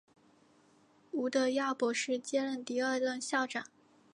吴德耀博士接任第二任校长。